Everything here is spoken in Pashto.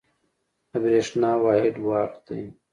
د برېښنا واحد وات دی.